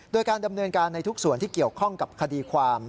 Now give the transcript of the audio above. โดยการดำเนินการในทุกส่วนที่เกี่ยวข้องกับคดีความ